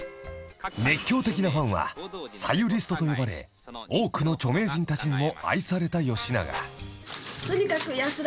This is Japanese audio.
［熱狂的なファンはサユリストと呼ばれ多くの著名人たちにも愛された吉永］